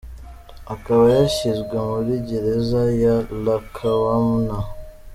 Akaba yashyizwe muri gereza ya Lackawanna.